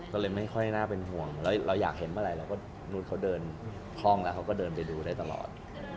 ก็เลยไม่ค่อยน่าเป็นห่วงแล้วเราอยากเห็นเมื่อไหร่เราก็นู่นเขาเดินห้องแล้วเขาก็เดินไปดูได้ตลอด